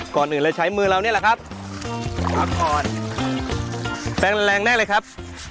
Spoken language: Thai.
ก่อนอื่นเลยใช้มือเรานี่แหละครับพักก่อนแปลงแรงแน่เลยครับ